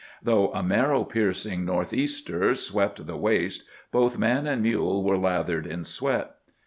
Though a marrow piercing north easter swept the waste, both man and mule were lathered in sweat.